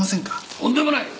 とんでもない！